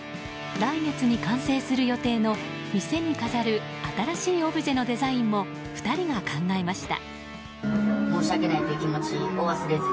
来月に完成する予定の店に飾る新しいオブジェのデザインも２人が考えました。